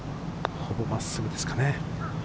ほぼ真っすぐですかね。